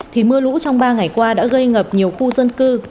thì mưa lũ trong ba ngày qua đã gây ngập nhiều khu dân cư